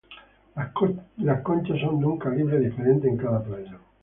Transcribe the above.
Las conchas son de un calibre diferente en cada playa.